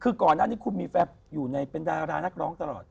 คือก่อนหน้านี้คุณมีอยู่ในเป็นดารานักร้องตลอด